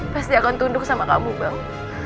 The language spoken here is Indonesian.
pasti akan tunduk sama kamu bang